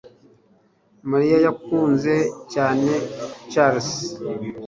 Mariya yakunze cyane Charles